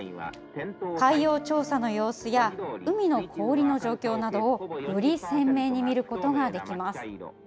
海洋調査の様子や海の氷の様子などをより鮮明に見ることができます。